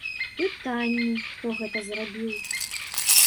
Пытанні, хто гэта зрабіў.